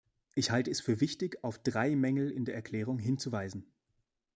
Ich halte es für wichtig, auf drei Mängel in der Erklärung hinzuweisen.